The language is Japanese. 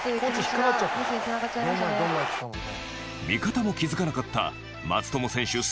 味方も気付かなかった松友選手